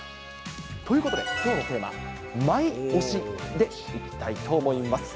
ということで、きょうのテーマ、マイ推しでいきたいと思います。